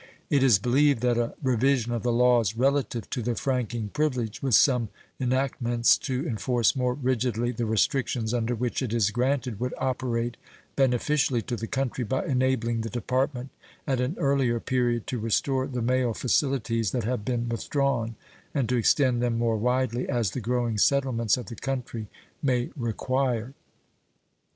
It is believed that a revision of the laws relative to the franking privilege, with some enactments to enforce more rigidly the restrictions under which it is granted, would operate beneficially to the country, by enabling the Department at an earlier period to restore the mail facilities that have been withdrawn, and to extend them more widely, as the growing settlements of the country may require.